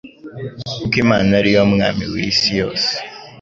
Kuko Imana ari yo mwami w’isi yose